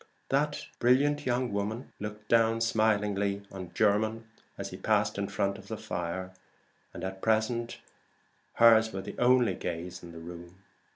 That brilliant young woman looked smilingly down on Mr. Jermyn as he passed in front of the fire; and at present hers was the only gaze in the room.